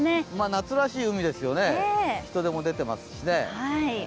夏らしい海ですよね、人出も出ていますしね。